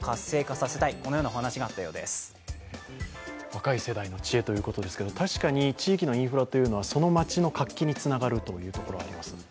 若い世代の知恵ということですが確かに地域のインフラというのは、その町の活気につながるということが分かります。